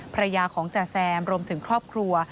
ภรรยาของจ๋าแซมรวมถึงครอบครัว